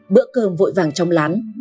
bữa cơm vội vàng trong lán